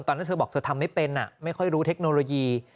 ตอนนั้นเธอบอกเธอทำไม่เป็นไม่ค่อยรู้เทคโนโลยี